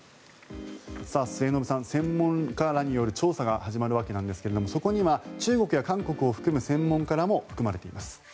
末延さん、専門家らによる調査が始まるわけですがそこには中国や韓国を含む専門家らも含まれています。